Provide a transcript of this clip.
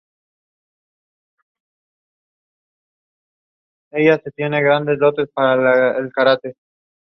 He returned to Tripoli in the Lebanese Premier League.